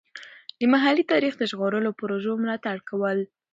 د محلي تاریخ د ژغورلو پروژو ملاتړ کول.